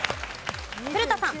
古田さん。